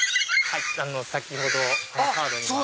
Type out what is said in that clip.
先ほどカードにもあった。